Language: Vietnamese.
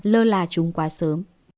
lơ là chúng quá sớm